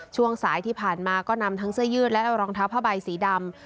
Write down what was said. ช่วงสายที่ผ่านมาก็นำทั้งเสื้อยืดและรองเท้าผ้าใบสีดำ